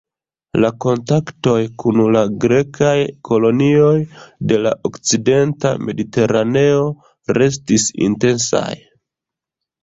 La kontaktoj kun la grekaj kolonioj de la okcidenta mediteraneo restis intensaj.